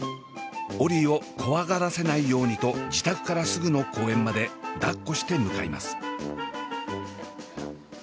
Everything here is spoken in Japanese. オリィを怖がらせないようにと自宅からすぐの公園までだっこして向かいます。